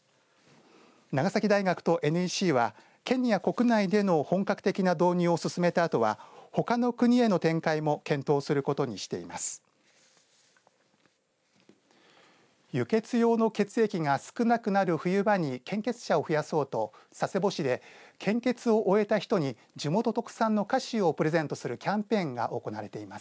長崎大学とＮＥＣはケニア国内での本格的な導入を進めたあとはほかの国への展開も検討することにしています。